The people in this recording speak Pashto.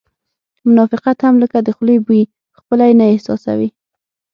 منافقت هم لکه د خولې بوی خپله یې نه احساسوې